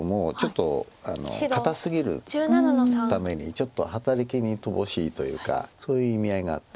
ちょっと働きに乏しいというかそういう意味合いがあって。